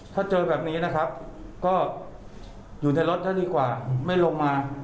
ถ้าเจอแบบนี้นะครับก็อยู่ในรถซะดีกว่าไม่ลงมา